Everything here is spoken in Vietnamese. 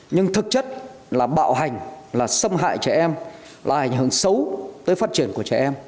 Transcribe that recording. nhưng thực chất là bạo hành là xâm hại trẻ em là ảnh hưởng xấu tới phát triển của trẻ em